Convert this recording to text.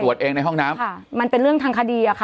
เองในห้องน้ำค่ะมันเป็นเรื่องทางคดีอะค่ะ